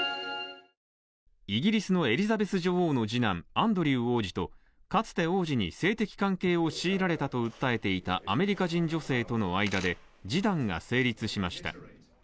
イギリスのエリザベス女王の次男、アンドリュー王子とかつて王子に性的関係を強いられたと訴えていたアメリカ人女性との間で示談が成立しました。